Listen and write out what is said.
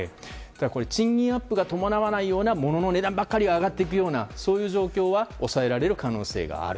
賃金アップが伴わないようなモノの値段ばかりが上がっていくようなそういう状況は抑えられる可能性がある。